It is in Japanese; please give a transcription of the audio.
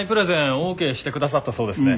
オーケーしてくださったそうですね。